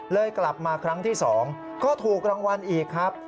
กลับมาครั้งที่๒ก็ถูกรางวัลอีกครับ